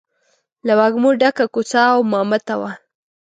له وږمو ډکه کوڅه او مامته وه.